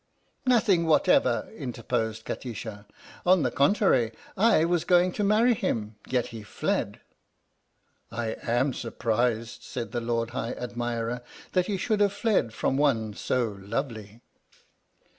" "Nothing whatever," interposed Kati sha. "On the contrary, I was going to marry him, yet he fled." " I am surprised," said the Lord High Admirer, " that he should have fled from one so lovely."